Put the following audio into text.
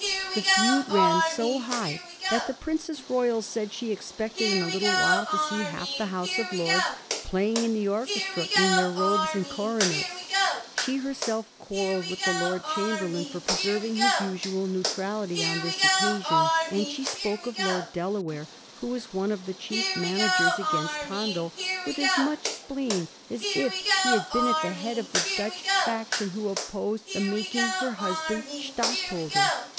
The feud ran so high that the Princess Royal said she expected in a little while to see half the House of Lords playing in the orchestra in their robes and coro nets. She herself quarrelled with the Lord Chamber lain for preserving his usual neutrality on this occasion, and she spoke of Lord Delaware, who was one of the chief managers against Handel, ^^with as much spleen as if he had been at the head of the Dutch faction who opposed the making her husband Stadtholder.''